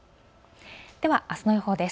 ではあすの予報です。